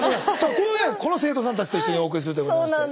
さあこの生徒さんたちと一緒にお送りするということなんですけど。